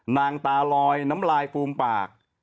นางตาลอยน้ำลายฟูมปาก